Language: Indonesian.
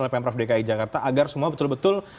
oleh pm prof dki jakarta agar semua betul betul